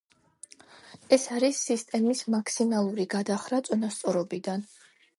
ეს არის სისტემის მაქსიმალური გადახრა წონასწორობიდან.